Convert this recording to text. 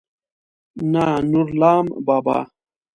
نه نورلام بابا.